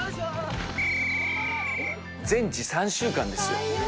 全治３週間ですよ。